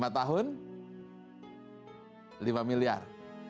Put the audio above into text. lima tahun lima miliar